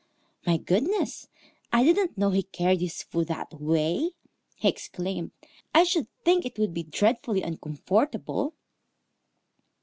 "My goodness, I didn't know he carried his food that way!" he exclaimed. "I should think it would be dreadfully uncomfortable."